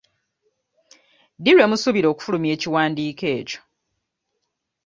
Ddi lwe musuubira okufulumya ekiwandiiko ekyo.